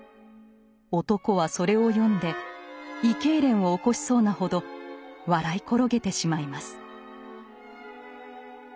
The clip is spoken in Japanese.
男はそれを読んで胃けいれんを起こしそうなほど笑い転げてしまいます。